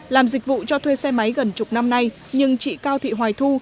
làm dịch vụ cho thuê xe máy gần chục năm nay nhưng chị cao thị hoài thu